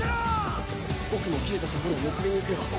「僕も切れたところを結びに行くよ」